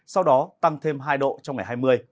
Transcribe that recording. sau đó tăng thêm hai độ trong ngày hai mươi